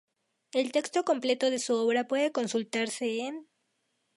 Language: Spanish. El texto completo de la obra puede consultarse en.